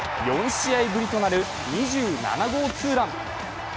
４試合ぶりとなる２７号ツーラン。